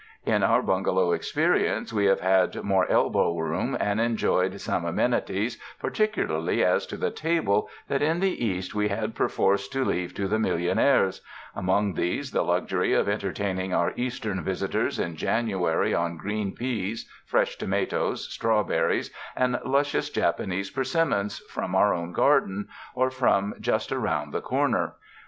In our bungalow experience we have had more elbow room and enjoyed some ameni ties, particularly as to the table, that in the East we had perforce to leave to the millionaires— among these the luxury of entertaining our Eastern visi tors in January on green peas, fresh tomatoes, strawberries and luscious Japanese persimmons, from our own garden or from just around the cor ner!